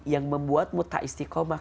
yang membuatmu tak istiqomah